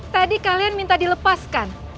tadi kalian minta dilepaskan